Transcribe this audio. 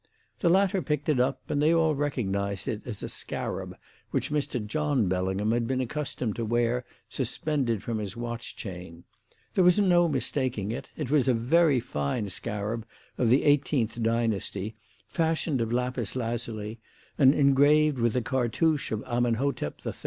"The latter picked it up, and they all recognised it as a scarab which Mr. John Bellingham had been accustomed to wear suspended from his watch chain. There was no mistaking it. It was a very fine scarab of the eighteenth dynasty fashioned of lapis lazuli and engraved with the cartouche of Amenhotep III.